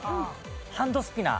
ハンドスピナー。